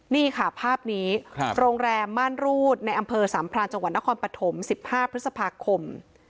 นี่ค่ะภาพนี้โรงแรมม่านรูดในอำเภอสามพรานจังหวัดนครปฐม๑๕พฤษภาคม